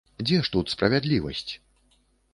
Дзе ж тут справядлівасць?